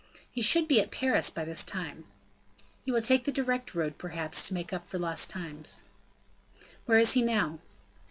"He should be at Paris by this time." "He will take the direct road perhaps to make up for lost time." "Where is he now?"